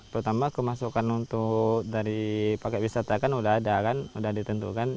pertama kemasukan untuk dari paket wisata kan sudah ada kan sudah ditentukan